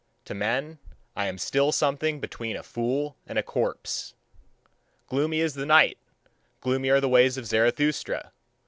To men I am still something between a fool and a corpse. Gloomy is the night, gloomy are the ways of Zarathustra.